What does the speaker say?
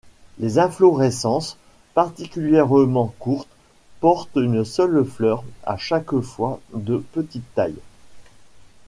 Les inflorescences particulièrement courtes portent une seule fleur à chaque fois de petite taille.